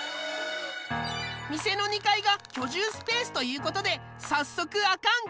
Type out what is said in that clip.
店の２階が居住スペースということで早速アカン